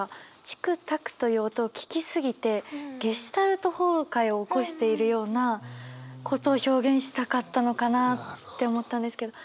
「チックタック」という音を聞き過ぎてゲシュタルト崩壊を起こしているようなことを表現したかったのかなって思ったんですけど。